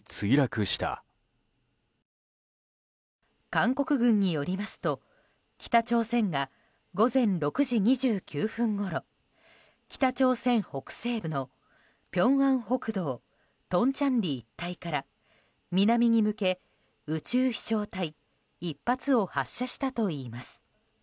韓国軍によりますと北朝鮮が午前６時２９分ごろ北朝鮮北西部のピョンアン北道トンチャンリ一帯から南に向け、宇宙飛翔体１発を発射したといいます。